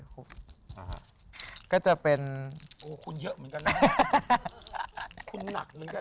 คุณหนักเหมือนกันนะ